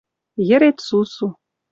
Йӹрет сусу